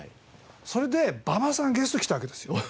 それで馬場さんゲストに来たわけですよ。